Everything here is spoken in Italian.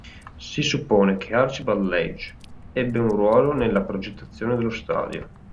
Si suppone che Archibald Leitch ebbe un ruolo nella progettazione dello stadio.